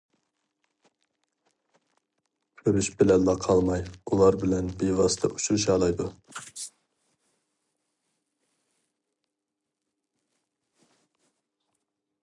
كۆرۈش بىلەنلا قالماي ئۇلار بىلەن بىۋاسىتە ئۇچرىشالايدۇ.